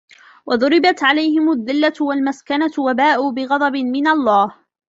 وَضُرِبَتْ عَلَيْهِمُ الذِّلَّةُ وَالْمَسْكَنَةُ وَبَاءُوا بِغَضَبٍ مِنَ اللَّهِ ۗ